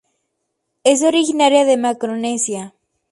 Es originaria de Macaronesia.